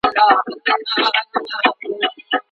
ولي ملي سوداګر طبي درمل له ازبکستان څخه واردوي؟